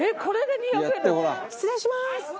失礼します。